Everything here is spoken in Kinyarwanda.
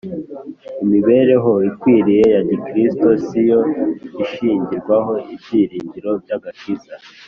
Imibereho ikwiriye ya gikristo si yo ishingirwaho ibyiringiro by'agakiza.